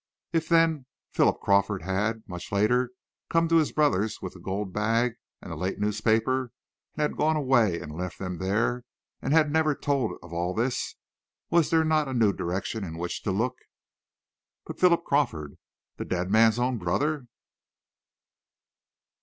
If, then, Philip Crawford had, much later, come to his brother's with the gold bag and the late newspaper, and had gone away and left them there, and had never told of all this, was there not a new direction in which to look? But Philip Crawford! The dead man's own brother!